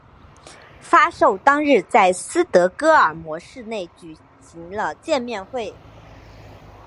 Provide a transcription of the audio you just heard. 发售当日在斯德哥尔摩市内举行了见面会。